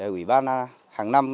quỷ ban hàng năm